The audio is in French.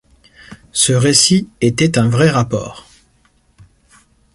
Ce récit était un vrai rapport.